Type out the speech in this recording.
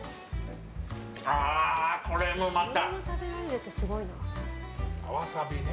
これもまた！